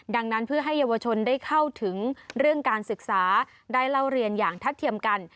ดังนั้นเพื่อให้เยาวชนได้เข้าถึงเรื่องการศึกษาได้เล่าเรียนอย่างทัดเทียมกัน